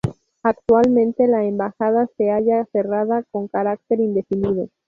Actualmente la embajada se halla cerrada con carácter indefinido.